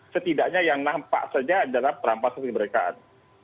setidaknya yang nampak saja adalah perampasan kemerdekaan